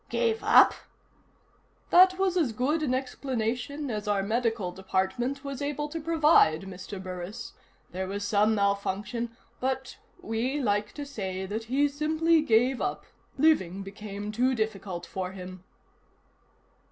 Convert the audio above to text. "Gave up?" "That was as good an explanation as our medical department was able to provide, Mr. Burris. There was some malfunction but we like to say that he simply gave up. Living became too difficult for him."